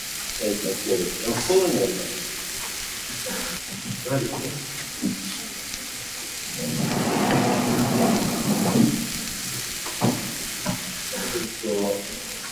Other terms for self-synchronizing code are synchronized code or, ambiguously, comma-free code.